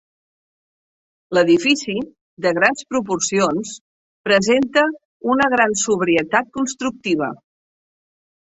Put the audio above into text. L'edifici, de grans proporcions, presenta una gran sobrietat constructiva.